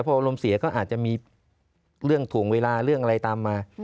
พออารมณ์เสียก็อาจจะมีเรื่องถ่วงเวลาเรื่องอะไรตามมา